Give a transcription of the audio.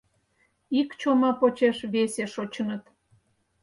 Ик чома почеш весе шочыныт.